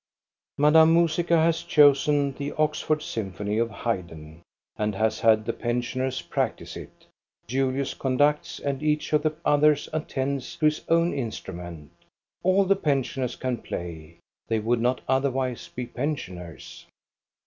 Madame Musica has chosen the Oxford Symphony of Hayden, and has had the pensioners practise it Julius conducts, and each of the others attends to his own instrument. All the pensioners can play — they would not otherwise be pensioners.